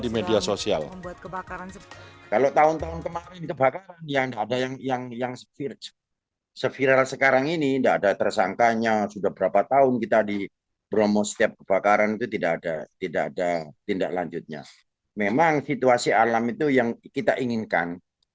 memang situasi alam itu yang kita inginkan